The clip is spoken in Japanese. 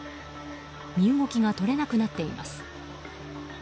身動きが取れなくなっています。